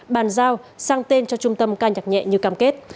bàn giao sang tên cho trung tâm ca nhạc nhẹ như cam kết